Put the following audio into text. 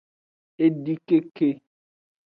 Edikeke.